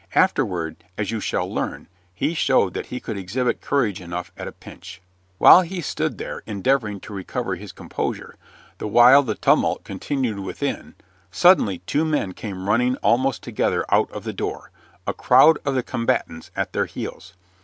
Afterward, as you shall learn, he showed that he could exhibit courage enough at a pinch. While he stood there, endeavoring to recover his composure, the while the tumult continued within, suddenly two men came running almost together out of the door, a crowd of the combatants at their heels.